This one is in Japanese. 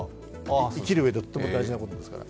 生きるうえで、とても大事なことですから。